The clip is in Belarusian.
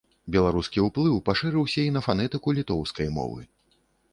Беларускі ўплыў пашырыўся і на фанетыку літоўскай мовы.